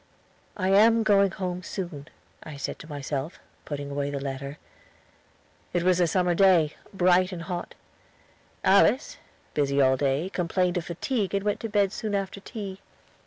"I am going home soon," I said to myself, putting away the letter. It was a summer day, bright and hot. Alice, busy all day, complained of fatigue and went to bed soon after tea.